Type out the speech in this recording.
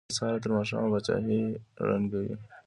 له سهاره تر ماښامه پاچاهۍ ړنګوي.